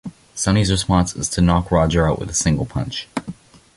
Sonny's response is to knock Roger out with a single punch.